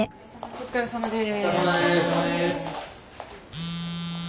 お疲れさまです。